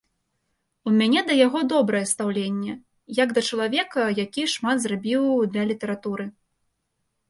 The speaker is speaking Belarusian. У мяне да яго добрае стаўленне, як да чалавека, які шмат зрабіў для літаратуры.